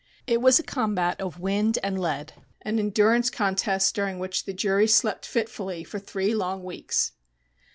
It was a combat of wind and lead an endurance contest during which the jury slept fitfully for three long weeks.